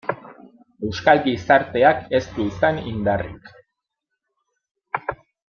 Euskal gizarteak ez du izan indarrik.